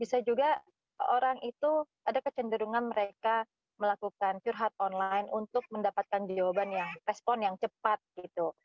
bisa juga orang itu ada kecenderungan mereka melakukan curhat online untuk mendapatkan jawaban yang respon yang cepat gitu